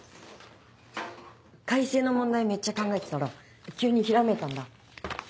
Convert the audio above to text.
開成の問題めっちゃ考えてたら急にひらめいたんだ。